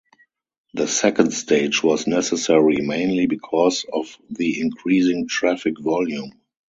The second stage was necessary mainly because of the increasing traffic volume.